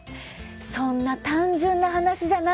そんな単純な話じゃないんです。